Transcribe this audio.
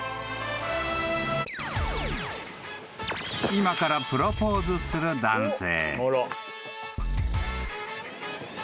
［今からプロポーズする男性］